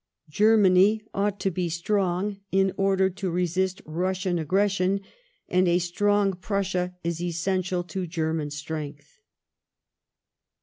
Germany ought to be strong in order to resist Russian .aggression, and a strong Prussia is essential to German strength.